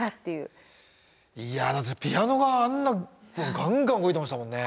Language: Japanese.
いやピアノがあんなガンガン動いてましたもんね。